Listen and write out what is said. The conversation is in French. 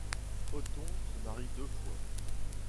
Othon se marie deux fois.